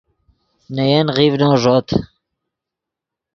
نے ین غیڤنو ݱوت